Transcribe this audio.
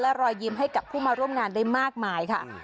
รอยยิ้มให้กับผู้มาร่วมงานได้มากมายค่ะ